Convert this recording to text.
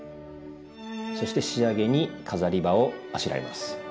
そして仕上げに飾り葉をあしらいます。